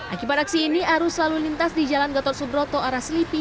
akibat aksi ini arus lalu lintas di jalan gatot subroto arah selipi